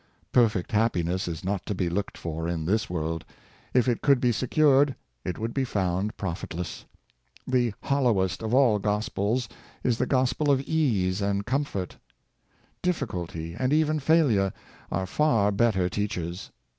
Perfect happiness is not to be looked for in this world. If it could be secured, it would be found profitless. The hollowest of all gospels is the gospel of ease and com fort. Difficulty, and even failure, are far better teachers.